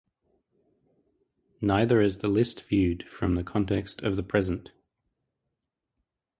Neither is the list viewed from the context of the present.